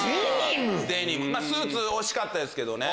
スーツ惜しかったですけどね。